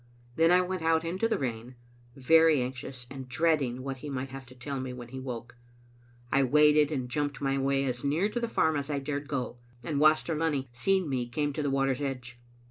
Then I went out into the rain, very anxious, and dreading what he might have to tell me when he woke. I waded and jumped my way as near to the farm as I dared go, and Waster Lunny, seeing me, came to the water's edge.